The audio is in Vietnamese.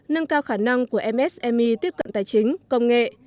nâng cao khả năng của msmi tiếp cận tài chính công nghệ